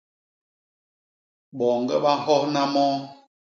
Boñge ba nhyohna moo.